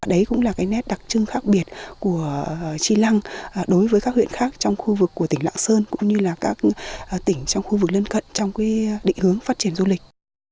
đấy cũng là cái nét đặc trưng khác biệt của tri lăng đối với các huyện khác trong khu vực của tỉnh lạng sơn cũng như là các tỉnh trong khu vực lân cận trong định hướng phát triển du lịch